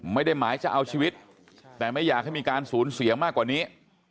ไม่ได้หมายจะเอาชีวิตแต่ไม่อยากให้มีการสูญเสียมากกว่านี้